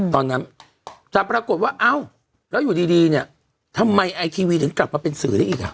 ตอนนั้นแต่ปรากฏว่าเอ้าแล้วอยู่ดีเนี่ยทำไมไอทีวีถึงกลับมาเป็นสื่อได้อีกอ่ะ